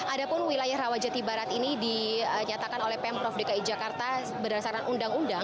ada pun wilayah rawajati barat ini dinyatakan oleh pemprov dki jakarta berdasarkan undang undang